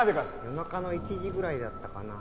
夜中の１時ぐらいだったかな。